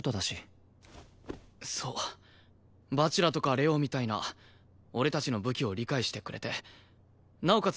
そう蜂楽とか玲王みたいな俺たちの武器を理解してくれてなおかつ